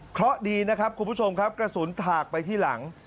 เพราะดีนะครับคุณผู้ชมครับกระสุนถากไปที่หลัง